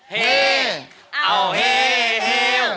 เฮเอาเฮเฮว